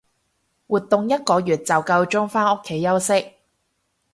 活動一個月就夠鐘返屋企休息